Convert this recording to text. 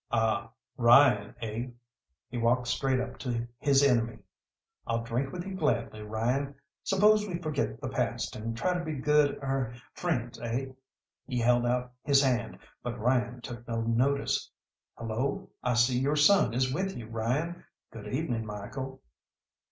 "Ah, Ryan, eh?" He walked straight up to his enemy. "I'll drink with you gladly, Ryan. Suppose we forget the past, and try to be good er friends, eh?" He held out his hand, but Ryan took no notice. "Hello, I see your son is with you, Ryan. Good evening, Michael."